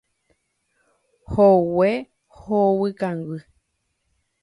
Hogue hovykangy.